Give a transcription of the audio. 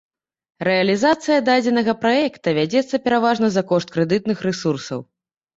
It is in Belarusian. Рэалізацыя дадзенага праекта вядзецца пераважна за кошт крэдытных рэсурсаў.